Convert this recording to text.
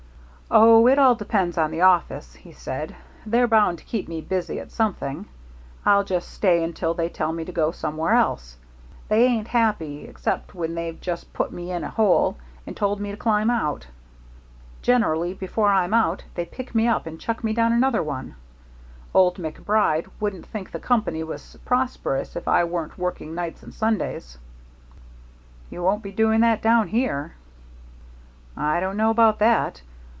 "Oh, it all depends on the office," he said. "They're bound to keep me busy at something. I'll just stay until they tell me to go somewhere else. They ain't happy except when they've just put me in a hole and told me to climb out. Generally before I'm out they pick me up and chuck me down another one. Old MacBride wouldn't think the Company was prosperous if I wasn't working nights and Sundays." "You won't be doing that down here." "I don't know about that.